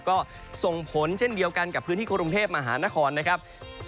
ก็ส่งผลเช่นเดียวกันกับพื้นที่กรุงเทพมหานครนะครับ